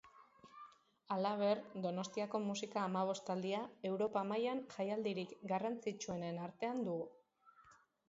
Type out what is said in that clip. Halaber, Donostiako musika hamabostaldia Europa mailan jaialdirik garrantzitsuenen artean dugu.